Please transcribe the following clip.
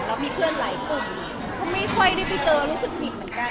แล้วมีเพื่อนหลายกลุ่มก็ไม่ค่อยได้ไปเจอรู้สึกผิดเหมือนกัน